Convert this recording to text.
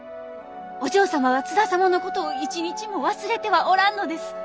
お嬢様は津田様のことを一日も忘れてはおらんのです。